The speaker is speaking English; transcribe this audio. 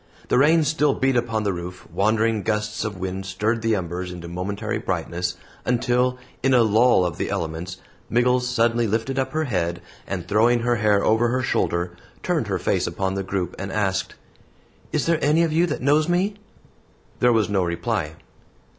The rain still beat upon the roof, wandering gusts of wind stirred the embers into momentary brightness, until, in a lull of the elements, Miggles suddenly lifted up her head, and, throwing her hair over her shoulder, turned her face upon the group and asked: "Is there any of you that knows me?" There was no reply.